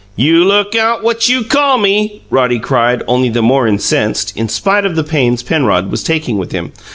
"You look out what you call me!" Roddy cried, only the more incensed, in spite of the pains Penrod was taking with him.